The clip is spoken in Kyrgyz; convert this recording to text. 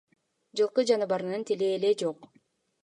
Жылкы жаныбарынын тили эле жок.